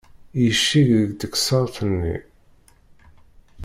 Yecceg deg teksart-nni.